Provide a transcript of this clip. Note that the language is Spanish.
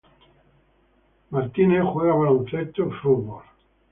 Goldberg juega baloncesto y fútbol soccer.